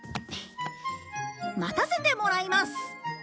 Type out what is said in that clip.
待たせてもらいます！